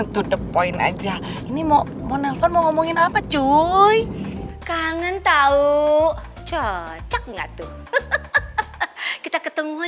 ke depoin aja ini mau mau ngomongin apa cuy kangen tahu cocok enggak tuh kita ketemu